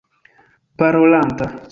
parolanta